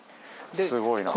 すごいな。